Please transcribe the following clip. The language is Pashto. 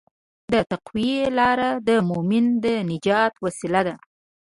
د تقوی لاره د مؤمن د نجات وسیله ده.